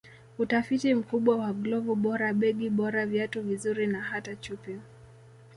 Utafiti mkubwa wa glovu bora begi bora viatu vizuri na hata chupi